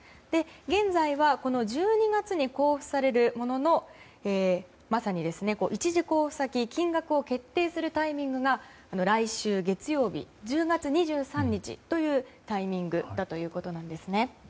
現在は１２月に交付されるもののまさに１次交付先金額が決定するタイミングが来週月曜日、１０月２３日というタイミングだということです。